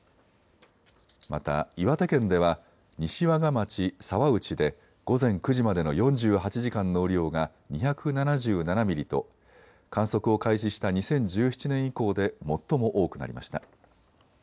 また岩手県では西和賀町沢内で午前９時までの４８時間の雨量が２７７ミリと観測を開始した２０１７年以降で最も多くなりました。